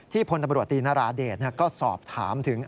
ที่พนธบรวจตรีนราเดชก็สอบถามถึง